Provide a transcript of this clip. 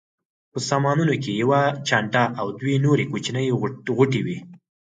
په سامانونو کې یوه چانټه او دوه نورې کوچنۍ غوټې وې.